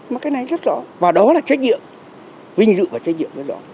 mà cái này rất rõ và đó là trách nhiệm vinh dự và trách nhiệm rất rõ